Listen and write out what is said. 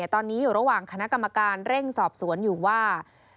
ตอนนี้อยู่ระหว่างคณะกรรมการเร่งสอบสวนอยู่ว่า